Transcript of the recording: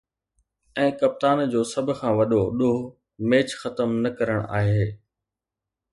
۽ ڪپتان جو سڀ کان وڏو ”ڏوهه“ ميچ ختم نه ڪرڻ آهي